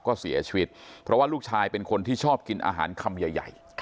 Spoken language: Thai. ก็เสียชีวิตเพราะว่าลูกชายเป็นคนที่ชอบกินอาหารคำใหญ่